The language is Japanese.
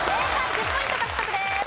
１０ポイント獲得です。